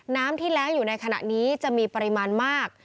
น้ำที่แร้งอยู่ในขณะนี้จะมีปริมาณมาก